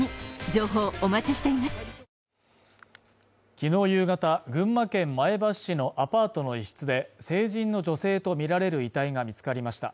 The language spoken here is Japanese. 昨日夕方群馬県前橋市のアパートの一室で成人の女性とみられる遺体が見つかりました